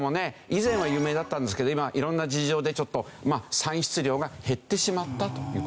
以前は有名だったんですけど今は色んな事情でちょっと産出量が減ってしまったという事なんですよね。